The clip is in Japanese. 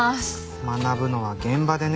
学ぶのは現場でね。